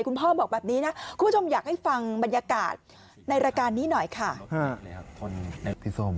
พ่อบอกแบบนี้นะคุณผู้ชมอยากให้ฟังบรรยากาศในรายการนี้หน่อยค่ะ